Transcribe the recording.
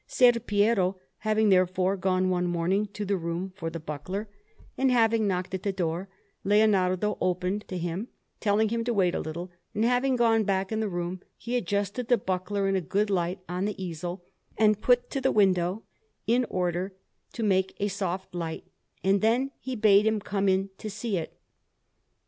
Ser Piero having therefore gone one morning to the room for the buckler, and having knocked at the door, Leonardo opened to him, telling him to wait a little; and, having gone back into the room, he adjusted the buckler in a good light on the easel, and put to the window, in order to make a soft light, and then he bade him come in to see it.